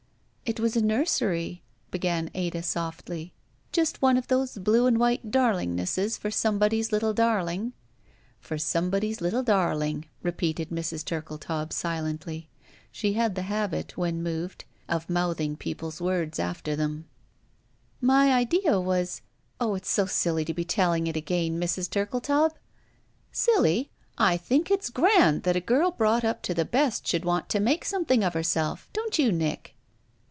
"It was a nursery," began Ada, softly. "Just one of those blue and white darlingnesses for some body's little darling." "For somebody's little darling," repeated Mrs. Turkletaub, silently. She had the habit, when papyed, of Qiouthing people's words after tl^enj, ^?9 'ROULETTE My idea was — Oh, it's so silly to be telling it again, Mrs. Turkletaub!" "Silly! I think it's grand that a girl brought up to the best should want to make something of her self. Don't you, Nick?"